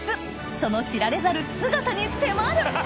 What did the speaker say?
その知られざる姿に迫る！